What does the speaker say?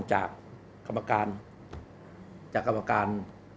จากกรรมการ